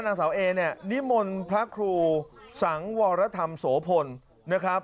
นางสาวเอเนี่ยนิมนต์พระครูสังวรธรรมโสพลนะครับ